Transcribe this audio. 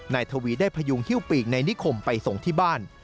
นายทวีได้พยุงฮิ้วปีกในนิคมไปส่งที่บ้าน